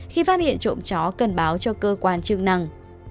khi phát hiện trộm chó cần báo cho cơ quan chức năng